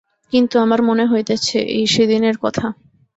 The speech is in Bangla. কিন্তু আমার মনে হইতেছে এই সেদিনের কথা।